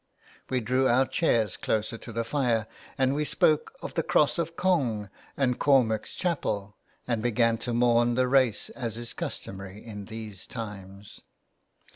We drew our chairs closer to the fire, and we spoke of the Cross of Cong and Cormac's Chapel, and began to mourn the race as is customary in these times.